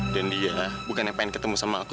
dan dia bukan yang pengen ketemu sama aku